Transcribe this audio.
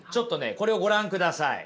これをご覧ください。